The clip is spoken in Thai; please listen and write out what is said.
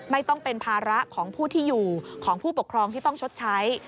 ไม่ต้องเป็นภาระของผู้ที่อยู่ของผู้ปกครองที่ต้องชดใช้